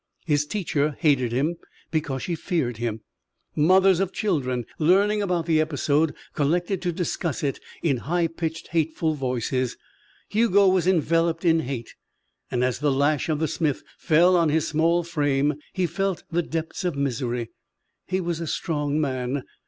His teacher hated him because she feared him. Mothers of children, learning about the episode, collected to discuss it in high pitched, hateful voices. Hugo was enveloped in hate. And, as the lash of the smith fell on his small frame, he felt the depths of misery. He was a strong man.